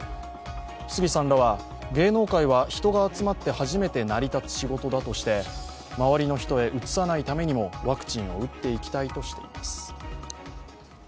杉さんらは、芸能界は人が集まって初めて成り立つ仕事だとして周りの人へうつさないためにもワクチンを打っていきたいとしています。